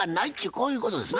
こういうことですな。